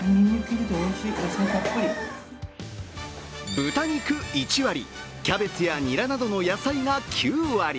豚肉１割、キャベツやニラなどの野菜が９割。